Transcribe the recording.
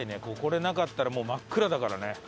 ここでなかったらもう真っ暗だからね。